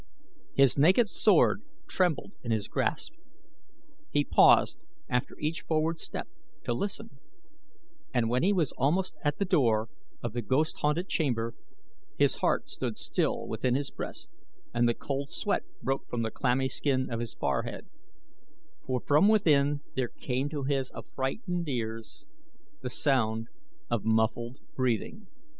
His naked sword trembled in his grasp. He paused after each forward step to listen and when he was almost at the door of the ghost haunted chamber, his heart stood still within his breast and the cold sweat broke from the clammy skin of his forehead, for from within there came to his affrighted ears the sound of muffled breathing.